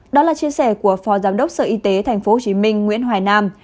đó là chia sẻ của phó giám đốc sở y tế tp hcm nguyễn hoài nam